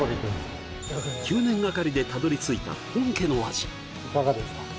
９年がかりでたどり着いた本家の味いかがですか？